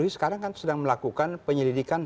sekarang kan sedang melakukan penyelidikan